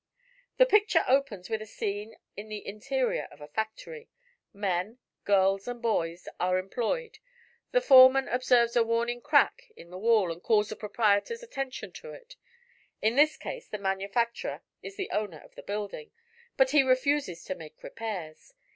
"The picture opens with a scene in the interior of a factory. Men, girls and boys are employed. The foreman observes a warning crack in the wall and calls the proprietor's attention to it. In this case the manufacturer is the owner of the building, but he refuses to make repairs.